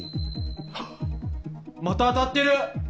はっまた当たってる。